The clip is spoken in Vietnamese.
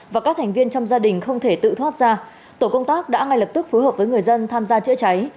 và các thành viên trong gia đình không thể tự thoát ra tổ công tác đã ngay lập tức phối hợp với người dân tham gia chữa cháy